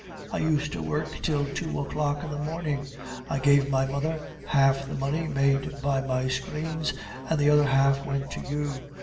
"I used to work till two o'clock in the morning; I gave my mother half the money made by my screens, and the other half went to you."